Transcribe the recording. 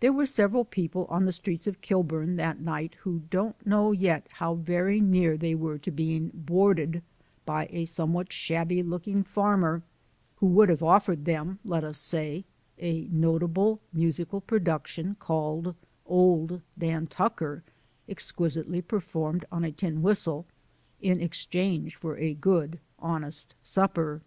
There were several people on the streets of Kilburn that night who don't know yet how very near they were to being boarded by a somewhat shabby looking farmer who would have offered them, let us say, a notable musical production called "Old Dan Tucker," exquisitely performed on a tin whistle, in exchange for a good honest supper.